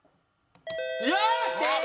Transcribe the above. よし！